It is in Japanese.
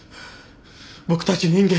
僕たち人間。